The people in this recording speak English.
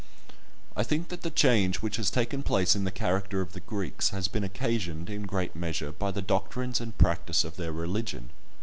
I think that the change which has taken place in the character of the Greeks has been occasioned, in great measure, by the doctrines and practice of their religion.